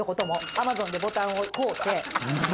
Ａｍａｚｏｎでボタンを買うて。